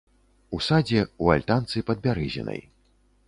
У садзе, у альтанцы, пад бярэзінай.